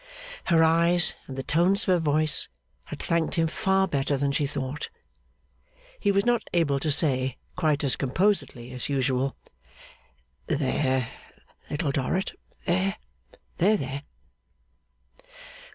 Her eyes, and the tones of her voice, had thanked him far better than she thought. He was not able to say, quite as composedly as usual, 'There, Little Dorrit, there, there, there!